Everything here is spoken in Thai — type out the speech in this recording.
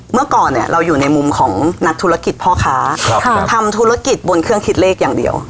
เมื่อก่อนเนี่ยเราอยู่ในมุมของนักธุรกิจพ่อค้าทำธุรกิจบนเครื่องคิดเลขอย่างเดียว